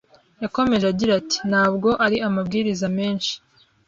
Yakomeje agira ati: "Ntabwo ari amabwiriza menshi."